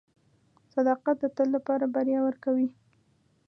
• صداقت د تل لپاره بریا ورکوي.